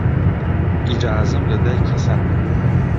ئیجازەم لە دایکی سەن